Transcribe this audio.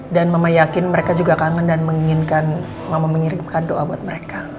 dan mama yakin mereka juga kangen dan menginginkan mama menyiripkan doa buat mereka